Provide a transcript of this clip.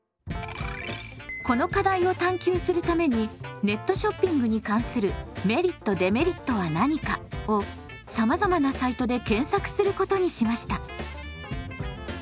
この課題を探究するために「ネットショッピングに関するメリット・デメリットは何か？」を「さまざまなサイトで検索する」ことにしました。